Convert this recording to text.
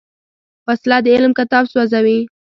وسله د علم کتاب سوځوي